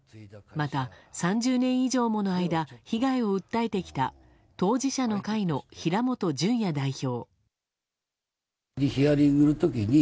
また３０年以上もの間被害を訴えてきた当事者の会の平本淳也代表。